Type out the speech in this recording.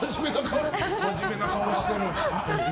真面目な顔してる。